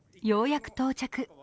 ようやく到着。